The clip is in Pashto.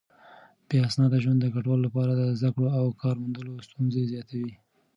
بې اسناده ژوند د کډوالو لپاره د زده کړو او کار موندلو ستونزې زياتوي.